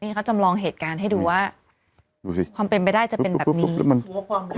เขาจำลองเหตุการณ์ให้ดูว่าดูสิความเป็นไปได้จะเป็นแบบนี้